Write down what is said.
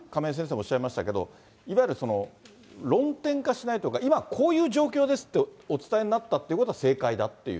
おっしゃいましたけど、いわゆる論点化しないとか、今、こういう状況ですってお伝えになったということは正解だっていう。